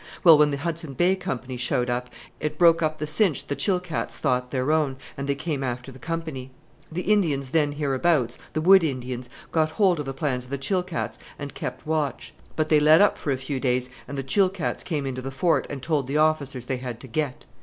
Well, when the Hudson Bay Company showed up, it broke up the cinch the Chilkats thought their own, and they came after the Company. The Indians then hereabouts, the wood Indians, got hold of the plans of the Chilkats and kept watch; but they let up for a few days, and the Chilkats came into the Fort and told the officers they had to get.